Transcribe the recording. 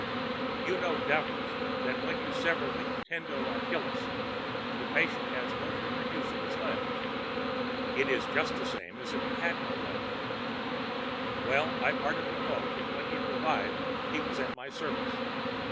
You know, doubtless, that when you sever the tendo Achillis the patient has no further use of his leg; it is just the same as if he had no leg. Well, I parted them both, and when he revived he was at my service.